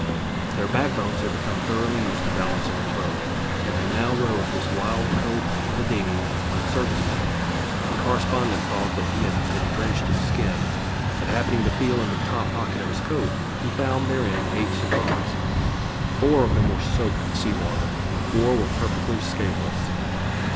Their backbones had become thoroughly used to balancing in the boat, and they now rode this wild colt of a dingey like circus men. The correspondent thought that he had been drenched to the skin, but happening to feel in the top pocket of his coat, he found therein eight cigars. Four of them were soaked with sea water; four were perfectly scathless.